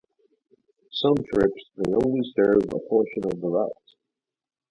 Some trips may only serve a portion of the route.